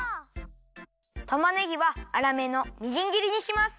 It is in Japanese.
たまねぎはあらめのみじんぎりにします。